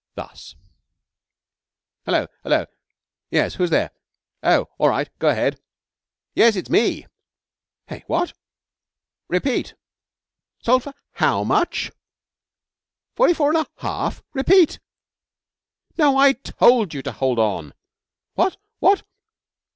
Thus: 'Hello! Hello! Yes. Who's there? Oh, all right. Go ahead. Yes, it's me! Hey, what? Repeat. Sold for how much? Forty four and a half? Repeat. No! I told you to hold on. What? What?